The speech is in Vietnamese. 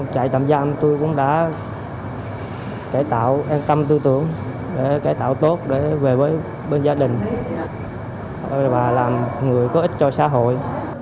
trại tạm giam tôi cũng đã cải tạo an tâm tư tưởng để cải tạo tốt để về với bên gia đình và làm người có ích cho xã hội